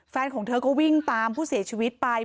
ของเธอก็วิ่งตามผู้เสียชีวิตไป